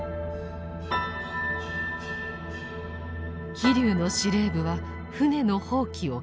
飛龍の司令部は艦の放棄を決定。